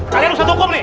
kalian ustadz hukum nih